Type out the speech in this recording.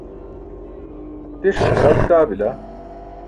tiṣ ke haralt kaa bila